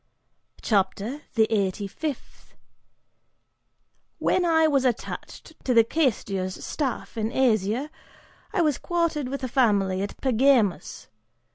CHAPTER THE EIGHTY FIFTH. "When I was attached to the Quaestor's staff, in Asia, I was quartered with a family at Pergamus.